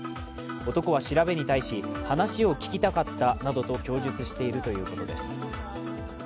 男は調べに対し、話を聞きたかったなどと供述しているということです。